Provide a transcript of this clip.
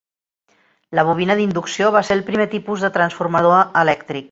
La bobina d'inducció va ser el primer tipus de transformador elèctric.